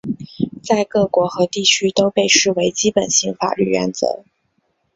在各国和地区都被视为基本性法律原则。